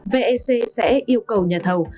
vec sẽ yêu cầu nhà thầu